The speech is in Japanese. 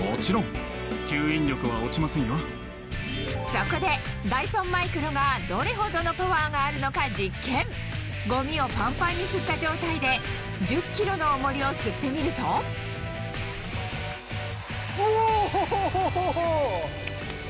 そこでダイソンマイクロがどれほどのパワーがあるのか実験ゴミをパンパンに吸った状態で１０ｋｇの重りを吸ってみるとおホホホ！